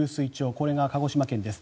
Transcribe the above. これが鹿児島県です。